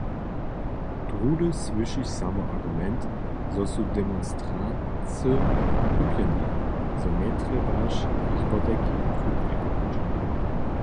Druhdy słyšiš samo argument, zo su demonstranća kupjeni, zo njetrjebaš jich potajkim chutnje brać.